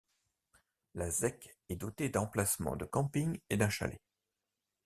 La zec est doté d'emplacements de camping et d'un chalet.